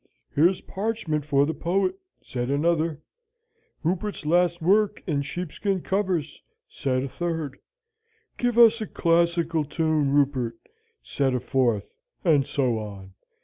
'Here's parchment for the poet,' said another. 'Rupert's last work in sheepskin covers,' said a third. 'Give us a classical tune, Rupert,' said a fourth; and so on.